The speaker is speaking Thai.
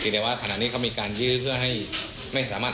แสดงแม้ขณะนี้เขามีการยื้อที่ไม่สามารถ